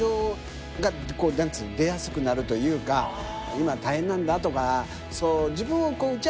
「今大変なんだ」とか。